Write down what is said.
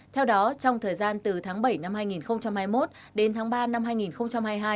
theo đó trong thời gian từ tháng bảy năm hai nghìn hai mươi một đến tháng ba năm hai nghìn hai mươi hai